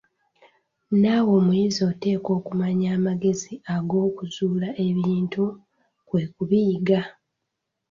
Naawe omuyizi oteekwa okumanya amagezi ag'okuzuula ebintu, kwe kubiyiga.